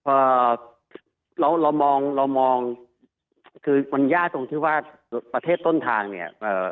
เอ่อเรามองคือมันยากตรงที่ว่าประเทศต้นทางเนี่ย